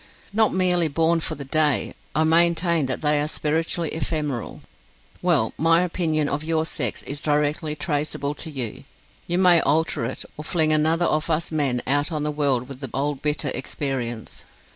Not merely born for the day, I maintain that they are spiritually ephemeral Well, my opinion of your sex is directly traceable to you. You may alter it, or fling another of us men out on the world with the old bitter experience.